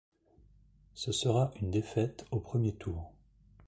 Ce sera une défaite au premier tour.